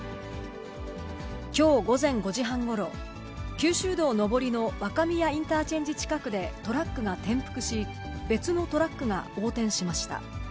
きょう午前５時半ごろ、九州道上りの若宮インターチェンジ近くでトラックが転覆し、別のトラックが横転しました。